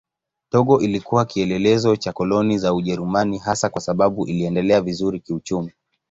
Togo ilikuwa kielelezo cha koloni za Ujerumani hasa kwa sababu iliendelea vizuri kiuchumi.